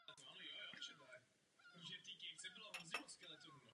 Je na čase vše důkladně prověřit.